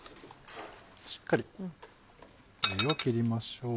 しっかり湯を切りましょう。